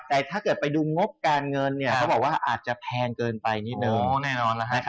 แต่ถ้าเกิดไปดูงบการเงินเนี่ยเขาบอกว่าอาจจะแพงเกินไปนิดนึง